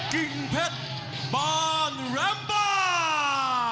กิ่งเผ็ดบ้านแรมบ้า